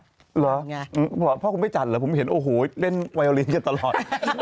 เหรอพ่อคุณไม่จัดเหรอผมเห็นโอ้โหเล่นไวโอลินกันตลอด